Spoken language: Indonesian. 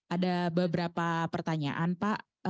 ada beberapa pertanyaan pak